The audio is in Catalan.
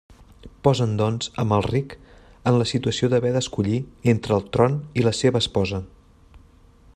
Posen doncs Amalric en la situació d'haver d'escollir entre el tron i la seva esposa.